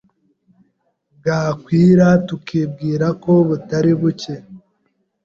bwakwira tukibwira ko butari bucye